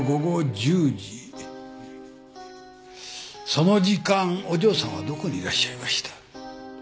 その時間お嬢さんはどこにいらっしゃいました？